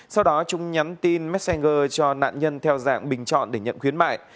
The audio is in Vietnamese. sau đó trung nhắn tin messenger cho nạn nhân theo dạng bình chọn để nhận khuyến mại